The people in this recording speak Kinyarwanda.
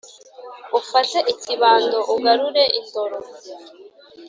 Ufate ikibando ugarure indoro